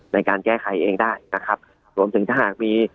ในการแก้ไขเองได้นะครับรวมถึงถ้าหากมี